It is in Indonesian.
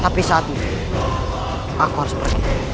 tapi saat aku harus pergi